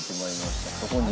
そこに。